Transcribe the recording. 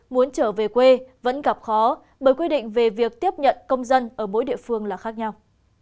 muốn trở về quê vẫn gặp khó bởi quy định về việc tiếp nhận công dân ở mỗi địa phương là khác nhau